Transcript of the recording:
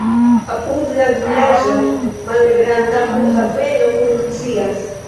Apud la vilaĝo malgranda flughaveno funkcias.